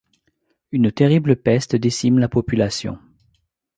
Une terrible peste décime la population.